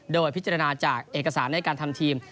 โดยพิจารณาจากเอกสารในการทำทีม